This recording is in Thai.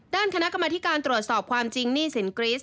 ด้านคณะกรรมธิการตรวจสอบความจริงหนี้สินกรีส